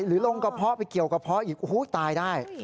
ลงกระเพาะไปเกี่ยวกระเพาะอีกโอ้โหตายได้